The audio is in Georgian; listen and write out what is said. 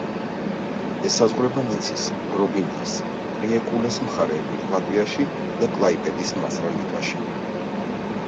ესაზღვრება ნიცის, გრობინიის, პრიეკულეს მხარეები ლატვიაში და კლაიპედის მაზრა ლიტვაში.